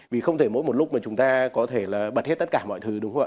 vì không thể mỗi một lúc mà chúng ta có thể bật hết tất cả mọi thứ